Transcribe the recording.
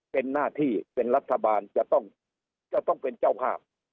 เป็นหน้าที่เป็นรัฐบาลจะต้องเป็นเจ้าภาพ